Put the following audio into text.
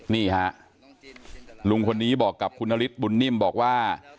นี่ฮะลุงคนนี้บอกกับคุณนฤทธิบุญนิ่มบอกว่า